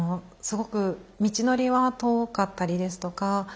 すごく道のりは遠かったりですとか